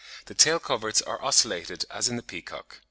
The tail coverts are ocellated as in the peacock.